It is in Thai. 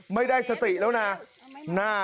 ไม่ได้สติแล้วนะ